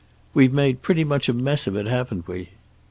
"We've made pretty much a mess of it, haven't we?"